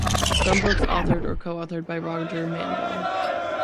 Some books authored or co-authored by Roger Manvell.